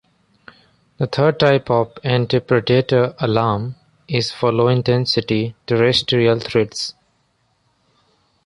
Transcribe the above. The third type of anti-predator alarm is for low-intensity terrestrial threats.